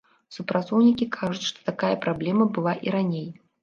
Супрацоўнікі кажуць, што такая праблема была і раней.